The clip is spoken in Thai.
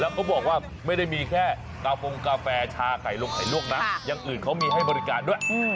แล้วก็บอกว่าไม่ได้มีแค่กาฟมกาแฟชาไก่ลวกไข่ลวกยังอื่นเค้ามีให้บริการด้วย